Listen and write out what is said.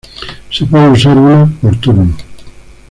Se puede usar una por turno.